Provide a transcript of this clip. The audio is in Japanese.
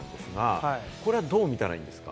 これはどう見たらいいんですか？